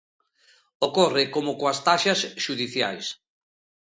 Ocorre como coas taxas xudiciais.